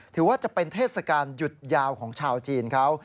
ถือว่าเป็นเทศกาลหยุดยาวของชาวจีนเขา